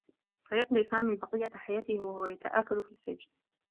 سيقضي سامي بقيّة حياته و هو يتآكل في السّجن.